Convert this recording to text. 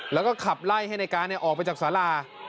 แล้วก็ขับไล่ให้ในการออกไปจากสารา